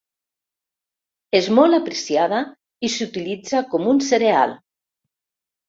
És molt apreciada i s'utilitza com un cereal.